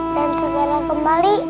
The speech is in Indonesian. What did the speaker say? dan segera kembali